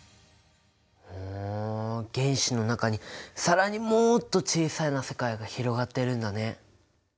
ほう原子の中に更にもっと小さな世界が広がってるんだね。